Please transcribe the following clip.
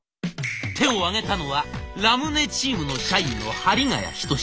手を挙げたのはラムネチームの社員の針ヶ谷仁。